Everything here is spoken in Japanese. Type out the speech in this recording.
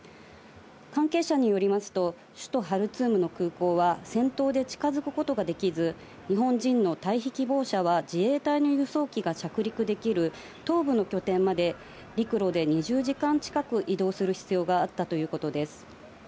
関係者によりますと、首都ハルツームの空港は戦闘で近づくことができず、日本人の退避希望者は自衛隊の輸送機が着陸できる東部の拠点まで陸路で２０時間近く移動する必要があったということです。